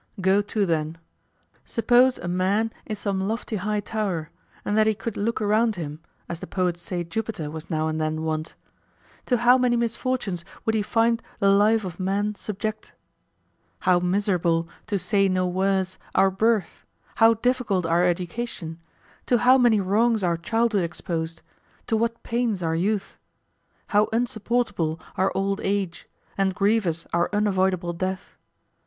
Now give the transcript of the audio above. Go to then. Suppose a man in some lofty high tower, and that he could look round him, as the poets say Jupiter was now and then wont. To how many misfortunes would he find the life of man subject? How miserable, to say no worse, our birth, how difficult our education; to how many wrongs our childhood exposed, to what pains our youth; how unsupportable our old age, and grievous our unavoidable death?